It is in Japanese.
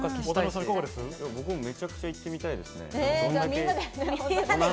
僕もめちゃくちゃ行ってみたいですね。